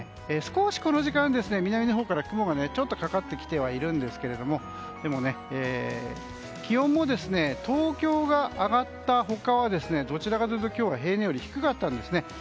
少しこの時間、南のほうから雲がちょっとかかってきてはいるんですが気温も東京が上がった他はどちらかというと今日は平年より低かったんですね。